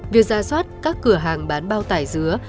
việc ra soát các cửa hàng bán bao tải dứa